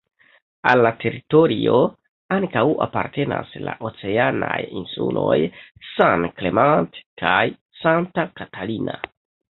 Al la teritorio ankaŭ apartenas la oceanaj insuloj "San Clemente" kaj "Santa Catalina".